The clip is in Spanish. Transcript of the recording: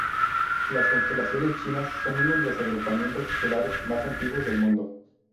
Las constelaciones chinas son uno de los agrupamientos estelares más antiguos del mundo.